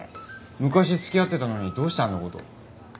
昔付き合ってたのにどうしてあんな事。